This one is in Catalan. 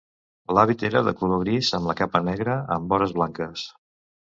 L'hàbit era de color gris, amb la capa negra amb vores blanques.